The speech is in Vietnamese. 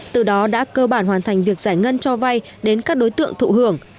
từ đó đã cơ bản hoàn thành việc giải ngân cho vay đến các đối tượng thụ hưởng